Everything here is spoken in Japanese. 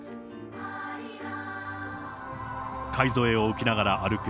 介添えを受けながら歩く